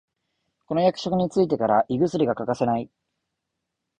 この役職についてから胃薬が欠かせない